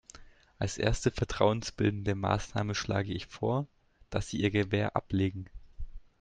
Als erste vertrauensbildende Maßnahme schlage ich vor, dass Sie ihr Gewehr ablegen.